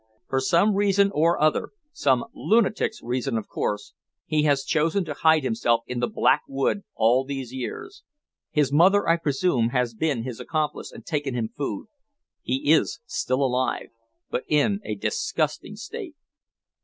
For some reason or other some lunatic's reason, of course he has chosen to hide himself in the Black Wood all these years. His mother, I presume, has been his accomplice and taken him food. He is still alive but in a disgusting state."